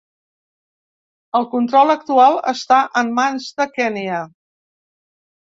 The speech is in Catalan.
El control actual està en mans de Kenya.